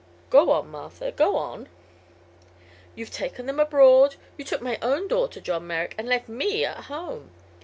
"Go on, Martha; go on." "You've taken them abroad you took my own daughter, John Merrick, and left me at home!